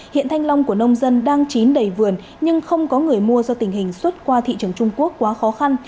hiện thanh long của nông dân đang chín đầy vườn nhưng không có người mua do tình hình xuất qua thị trường trung quốc quá khó khăn